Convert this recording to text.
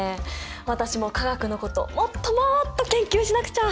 私も化学のこともっともっと研究しなくちゃ！